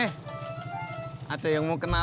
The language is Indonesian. eh ada yang mau kenal